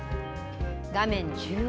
画面中央。